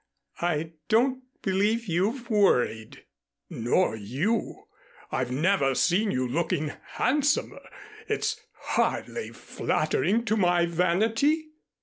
I don't believe you've worried." "Nor you. I've never seen you looking handsomer. It's hardly flattering to my vanity."